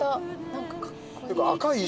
何かかっこいい。